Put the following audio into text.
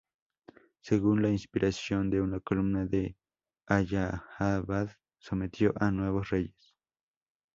Según la inscripción de una columna en Allahabad, sometió a nueve reyes.